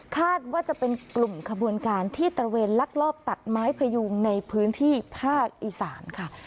คาดว่าจะเป็นกลุ่มขบวนการที่ตระเวนลักลอบตัดไม้พยุงในพื้นที่ภาคอีสานค่ะ